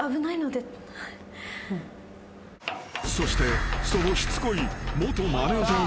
［そしてそのしつこい］